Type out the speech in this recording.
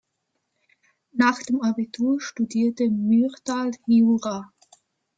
Nach dem Abitur studierte Myrdal Jura.